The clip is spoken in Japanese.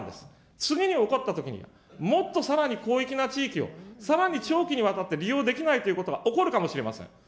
次に起こったときに、もっとさらに広域な地域を、さらに長期にわたって利用できないということが起こるかもしれません。